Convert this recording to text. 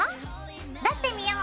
出してみよう。